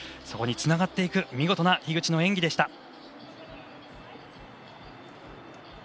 そこにつながる見事な樋口の演技でした。